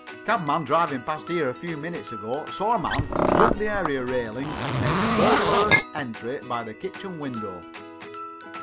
"Cabman, driving past here a few minutes ago, saw a man jump the area railings and make a burglarious entry by the kitchen window."